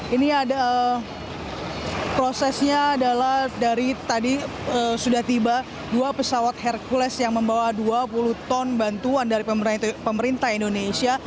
ini adalah prosesnya adalah dari tadi sudah tiba dua pesawat hercules yang membawa dua puluh ton bantuan dari pemerintah indonesia